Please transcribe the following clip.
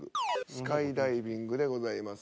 スカイダイビングでございます。